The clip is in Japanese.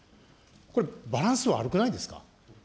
これ、バランス悪くないですか。